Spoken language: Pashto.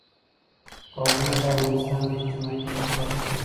قومونه د افغانستان د اجتماعي جوړښت برخه ده.